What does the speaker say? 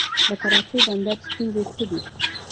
د کراچۍ بندر ستونزې څه دي؟